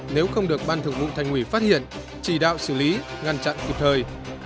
nếu không được ban thường vụ thành ủy phát hiện chỉ đạo xử lý ngăn chặn kịp thời